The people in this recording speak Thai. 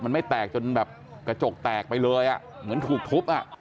มันไม่แตกจนแบบกระจกแตกไปเลยอ่ะเหมือนถูกทุบอ่ะ